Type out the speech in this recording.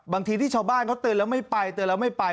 บางทีที่ชาวบ้านเขาเตือนแล้วไม่ไปเตือนแล้วไม่ไป